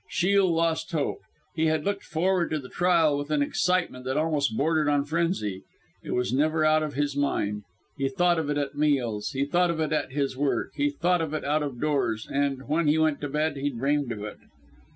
Shiel lost hope. He had looked forward to the trial with an excitement that almost bordered on frenzy. It was never out of his mind. He thought of it at meals, he thought of it at his work, he thought of it out of doors, and, when he went to bed, he dreamed of it.